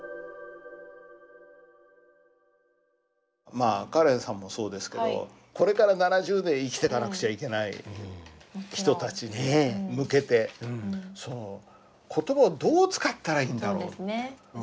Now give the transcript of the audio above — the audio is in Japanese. まあカレンさんもそうですけどこれから７０年生きていかなくちゃいけない人たちに向けてそうですね。